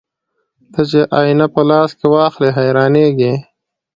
ته چې آيينه په لاس کې واخلې حيرانېږې